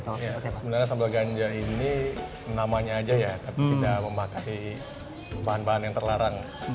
sebenarnya sambal ganja ini namanya aja ya tapi tidak memakai bahan bahan yang terlarang